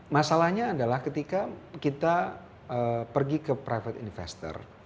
masalahnya adalah ketika kita pergi ke private investor